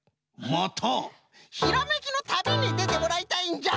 またひらめきの旅にでてもらいたいんじゃ！